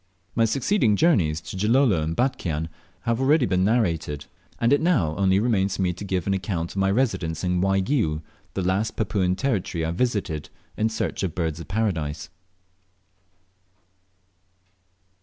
My succeeding journeys to Gilolo and Batchian have already been narrated, and if; now only remains for me to give an account of my residence in Waigiou, the last Papuan territory I visited in search of Birds of Paradise.